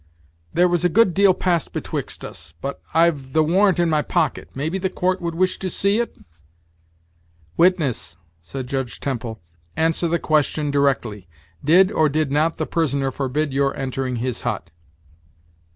"There was a good deal passed betwixt us but I've the warrant in my pocket; maybe the court would wish to see it?" "Witness," said Judge Temple, "answer the question directly; did or did not the prisoner forbid your entering his hut?"